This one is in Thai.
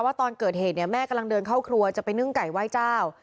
ตอนเกิดเหตุเนี่ยแม่กำลังเดินเข้าครัวจะไปนึ่งไก่ไหว้เจ้า